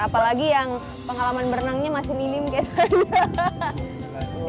apalagi yang pengalaman berenangnya masih minim kayak sana